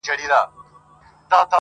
د غوجلې صحنه يادېږي بيا بيا